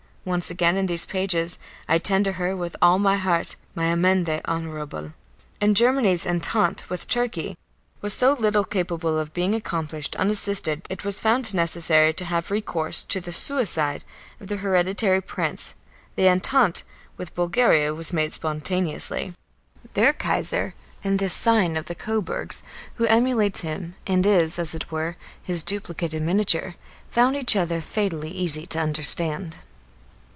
Once again in these pages I tender her with all my heart my amende honorable. If Germany's entente with Turkey was so little capable of being accomplished unassisted that it was found necessary to have recourse to the "suicide" of the hereditary prince, the entente with Bulgaria was made spontaneously. Their Kaiser and this scion of the Coburgs, who emulates him, and is, as it were, his duplicate in miniature, found each other fatally easy to understand.